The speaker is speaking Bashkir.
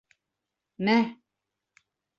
Мә!